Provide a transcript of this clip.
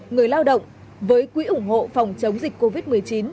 người lao động với quỹ ủng hộ phòng chống dịch covid một mươi chín